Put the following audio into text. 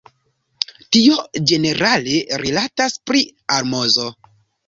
Tio ĝenerale rilatas pri almozo.